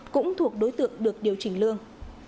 cũng thuộc đối tượng được điều chỉnh lương